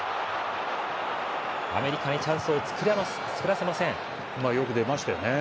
アメリカにチャンスを作らせません。